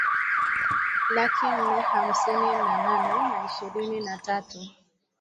laki nne hamsini na nane na ishirini na tatu